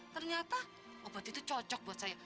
ternyata obat itu cocok buat saya